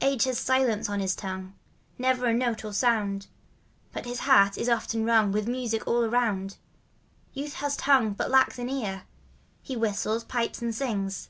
Age has silence on his tongue — Never a note or sound; But his heart is often wrung By music all around. Youth has tongue, but lacks an ear — He whistles, pipes and sings.